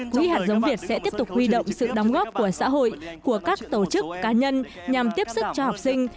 quỹ hạt giống việt sẽ tiếp tục huy động sự đóng góp của xã hội của các tổ chức cá nhân nhằm tiếp sức cho học sinh